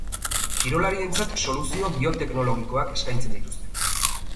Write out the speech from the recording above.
Kirolarientzat soluzio bioteknologikoak eskaintzen dituzte.